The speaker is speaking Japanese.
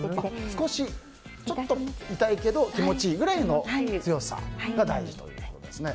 少し痛いけど気持ちいいぐらいの強さが大事ということですね。